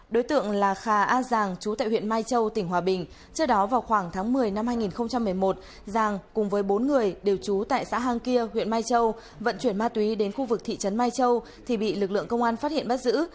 đối tượng là khà a giàng chú tại huyện mai châu tỉnh hòa bình trước đó vào khoảng tháng một mươi năm hai nghìn một mươi một giàng cùng với bốn người đều trú tại xã hang kia huyện mai châu vận chuyển ma túy đến khu vực thị trấn mai châu thì bị lực lượng công an phát hiện bắt giữ